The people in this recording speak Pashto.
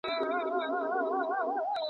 کتاب د زده کوونکي له خوا ليکل کيږي؟